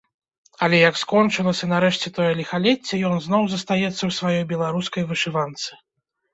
Але як скончылася нарэшце тое ліхалецце, ён зноў застаецца ў сваёй беларускай вышыванцы.